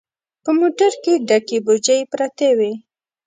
په موټر کې ډکې بوجۍ پرتې وې.